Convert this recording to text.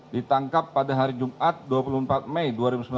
ditangkap pada hari jumat dua puluh empat mei dua ribu sembilan belas